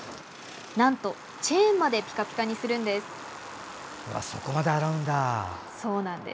なんとチェーンまでピカピカにするんです。